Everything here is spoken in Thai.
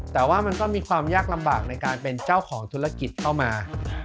แต่ว่ามันก็มีความยากลำบากในการเป็นเจ้าของธุรกิจเข้ามา